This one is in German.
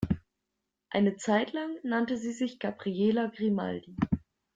Eine Zeitlang nannte sie sich Gabriella Grimaldi.